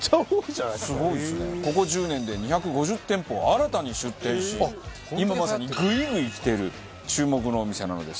ここ１０年で２５０店舗を新たに出店し今まさにグイグイきてる注目のお店なのです。